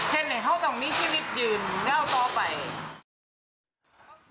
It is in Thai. ให้เราต้องมิถลิตยืนราวต่อไป